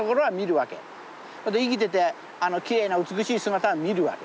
あと生きててきれいな美しい姿は見るわけ。